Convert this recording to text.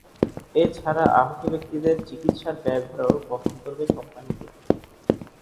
এ ছাড়া আহত ব্যক্তিদের চিকিত্সার ব্যয়ভারও বহন করবে কোম্পানিটি।